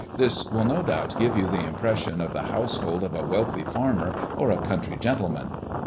This will no doubt give you the impression of the household of a wealthy farmer or a country gentleman.